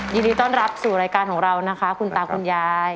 ยินดีต้อนรับสู่รายการของเรานะคะคุณตาคุณยาย